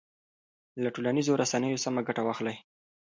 له ټولنیزو رسنیو سمه ګټه واخلئ.